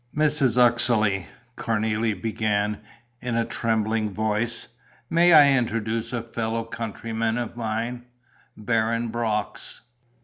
"Mrs. Uxeley," Cornélie began, in a trembling voice, "may I introduce a fellow countryman of mine? Baron Brox."